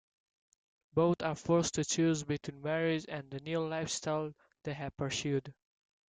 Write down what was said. Both are forced to choose between marriage and the new lifestyles they have pursued.